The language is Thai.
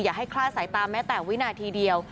ให้คลาดสายตาแม้แต่วินาทีเดียว